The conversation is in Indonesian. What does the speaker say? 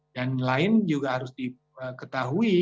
dan lain juga harus diketahui